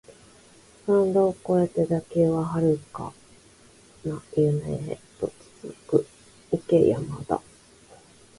スタンド超えて打球は遥かな夢へと続く、行け山田